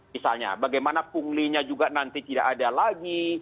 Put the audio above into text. misalnya bagaimana punglinya juga nanti tidak ada lagi